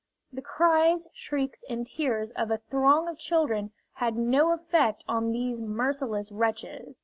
The cries, shrieks, and tears of a throng of children had no effect on these merciless wretches.